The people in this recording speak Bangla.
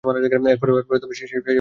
এরপরেও, সে মডেল হতে চায়।